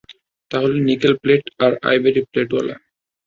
তাহলে nickel plate আর ivory প্লেটওয়ালা।